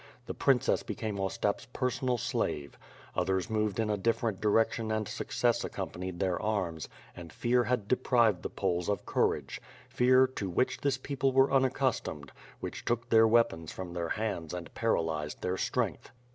The princess became Ostap's personal slave. Others moved in a different direction and success accompanied their arms, and fear had deprived the Poles of courage — fear "to which this people were unaccustomed," which took their weapons from their hands and paralyzed their strength.